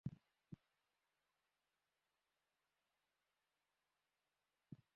শনিবার রাতে শহরের লঞ্চঘাট এলাকায় মিয়াপাড়ার লোকজন ঘোষেরচরের লোকজনের ওপর হামলা চালায়।